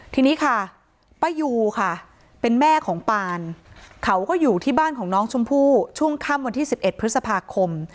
ทีนี้ค่ะป้ายูค่ะเป็นแม่ของปานเขาก็อยู่ที่บ้านของน้องชมพู่ช่วงค่ำวันที่๑๑พฤษภาคม